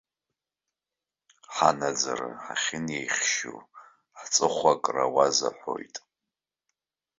Ҳанаӡара ҳахьынеихьшьу, ҳҵыхәа акра ауаз аҳәоит.